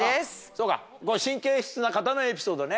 そうか神経質な方のエピソードね。